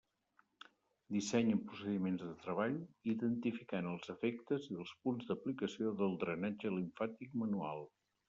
Dissenya procediments de treball identificant els efectes i els punts d'aplicació del drenatge limfàtic manual.